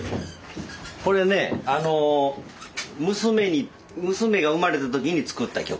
これね娘が生まれた時に作った曲。